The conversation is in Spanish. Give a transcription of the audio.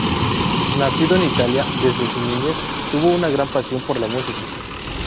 Nacido en Italia, desde su niñez tuvo una gran pasión por la música.